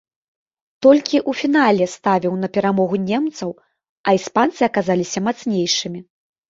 Толькі ў фінале ставіў на перамогу немцаў, а іспанцы аказаліся мацнейшымі.